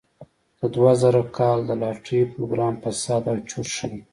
د دوه زره کال د لاټرۍ پروګرام فساد او چور ښيي.